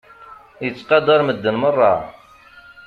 Yettqadaṛ medden meṛṛa.